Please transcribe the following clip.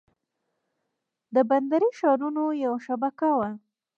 د بندري ښارونو یوه شبکه وه